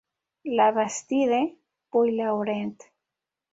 La Bastide-Puylaurent